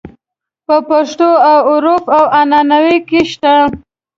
په پښتو او عُرف او عنعنه کې شته.